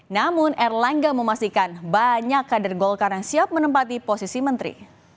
namun erlangga memastikan banyak kader golkar yang siap menempati posisi menteri